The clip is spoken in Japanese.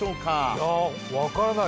いや、分からない。